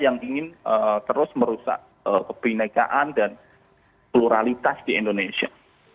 yang ingin terus merusak kebinekaan dan pluralitas di indonesia